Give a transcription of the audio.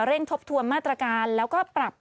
เร่งทบทวนมาตรการและปรับเปลี่ยน